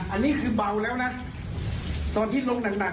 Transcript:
อันนี้คือเบาแล้วนะตอนที่ลงหนักหนัก